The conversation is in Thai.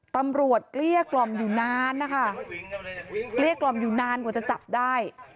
เกลี้ยกล่อมอยู่นานนะคะเกลี้ยกล่อมอยู่นานกว่าจะจับได้